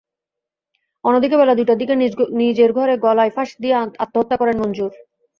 অন্যদিকে বেলা দুইটার দিকে নিজ ঘরে গলায় ফাঁস দিয়ে আত্মহত্যা করেন মঞ্জুর।